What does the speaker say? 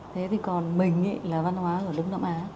thế thì còn mình là văn hóa ở đông nam á